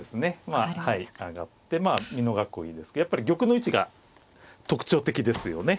まあ上がって美濃囲いですけどやっぱり玉の位置が特徴的ですよね。